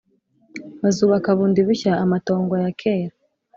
bazubaka bundi bushya amatongo ya kera,